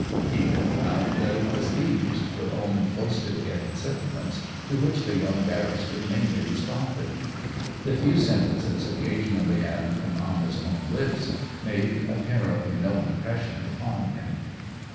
Edith found that it was these, her own foisted in sentiments, to which the young barrister mainly responded. The few sentences occasionally added from Anna's own lips made apparently no impression upon him.